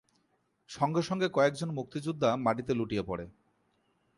সঙ্গে সঙ্গে কয়েকজন মুক্তিযোদ্ধা মাটিতে লুটিয়ে পড়ে।